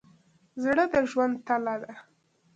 زړه د ژوند تله ده.